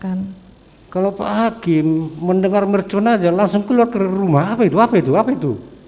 kalau pak hakim mendengar mercon aja langsung keluar ke rumah apa itu apa itu apa itu